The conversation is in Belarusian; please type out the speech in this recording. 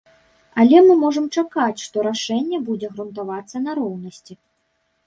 Але мы можам чакаць, што рашэнне будзе грунтавацца на роўнасці.